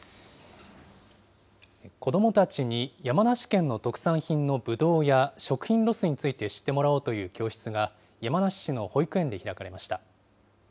子どもたちに山梨県の特産品のぶどうや食品ロスについて知ってもらおうという教室が、山梨市の保育園で開かれました。